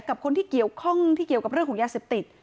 กับคนที่เกี่ยวข้องที่เกี่ยวกับเรื่องของยาเสพติด